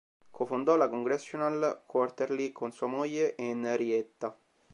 Co-fondò la Congressional Quarterly con sua moglie, Henrietta.